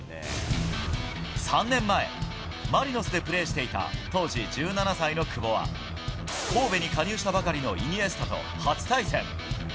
３年前マリノスでプレーしていた当時１７歳の久保は神戸に加入したばかりのイニエスタと初対戦。